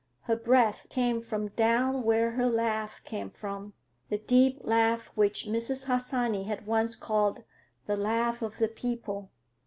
Her breath came from down where her laugh came from, the deep laugh which Mrs. Harsanyi had once called "the laugh of the people."